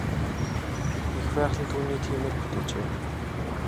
Эх байгаль нь түүнийг тиймээр бүтээжээ.